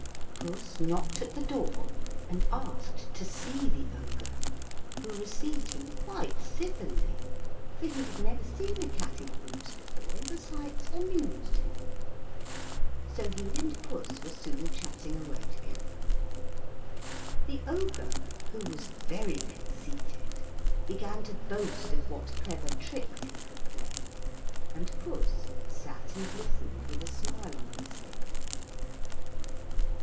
Puss knocked at the door and asked to see the Ogre, who received him quite civilly, for he had never seen a cat in boots before, and the sight amused him. So he and Puss were soon chatting away together. The Ogre, who was very conceited, began to boast of what clever tricks he could play, and Puss sat and listened, with a smile on his face.